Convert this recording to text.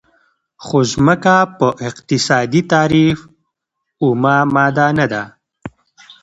خو ځمکه په اقتصادي تعریف اومه ماده نه ده.